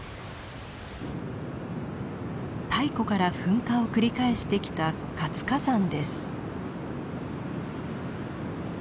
太古から噴火を繰り返してきた活火山です。